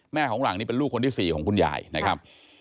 ของหลังนี่เป็นลูกคนที่๔ของคุณยายนะครับ